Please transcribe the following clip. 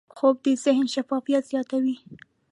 خوب د ذهن شفافیت زیاتوي